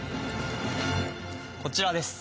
こちらです。